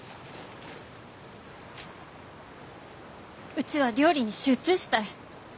うちは料理に集中したい。